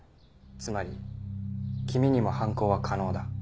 つまり君にも犯行は可能だ。